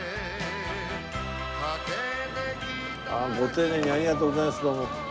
ご丁寧にありがとうございますどうも。